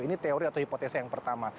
ini teori atau hipotesa yang pertama